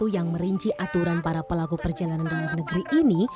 yang merinci aturan para pelaku perjalanan dalam negeri ini